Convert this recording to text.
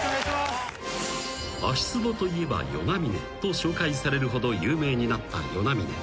［足つぼといえば與那嶺と紹介されるほど有名になった與那嶺］